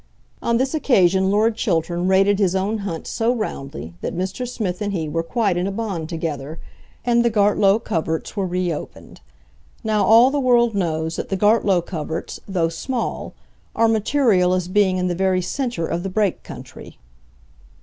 On this occasion Lord Chiltern rated his own hunt so roundly that Mr. Smith and he were quite in a bond together, and the Gartlow coverts were re opened. Now all the world knows that the Gartlow coverts, though small, are material as being in the very centre of the Brake country.